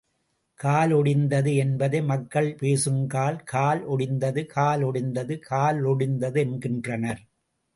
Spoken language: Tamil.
கால் ஒடிந்தது என்பதை மக்கள் பேசுங்கால், கால் ஒடிந்தது கால் ஒடிந்தது காலொடிந்தது என்கின்றனர்.